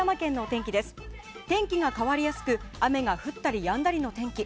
天気が変わりやすく雨が降ったりやんだりの天気。